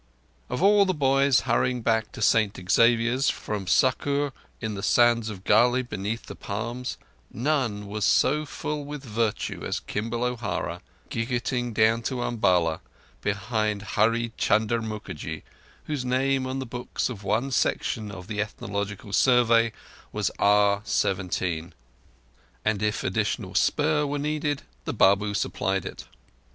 Of all the boys hurrying back to St Xavier's, from Sukkur in the sands to Galle beneath the palms, none was so filled with virtue as Kimball O'Hara, jiggeting down to Umballa behind Hurree Chunder Mookerjee, whose name on the books of one section of the Ethnological Survey was R.17. And if additional spur were needed, the Babu supplied it.